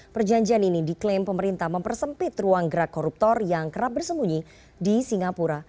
perjanjian ini diklaim pemerintah mempersempit ruang gerak koruptor yang kerap bersembunyi di singapura